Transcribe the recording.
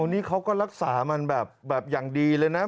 นี่เขาก็รักษามันแบบอย่างดีเลยนะ